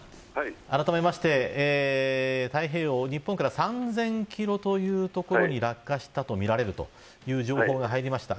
あらためまして太平洋日本から３０００キロという所に落下したとみられるという情報が入りました。